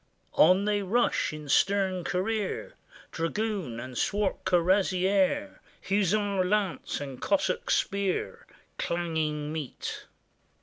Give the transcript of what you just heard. On they rush in stern career, Dragoon and swart cuirassier; 347 FRANCE Hussar lance and Cossack spear Clanging meet!